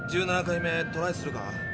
１７回目トライするか？